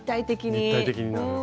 立体的になる。